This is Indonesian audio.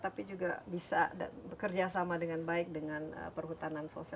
jadi ini juga bisa bekerja sama dengan baik dengan perhutanan sosial